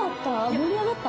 盛り上がった？